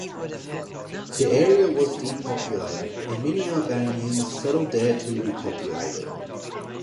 The area was depopulated and many Albanians settled there to repopulate it.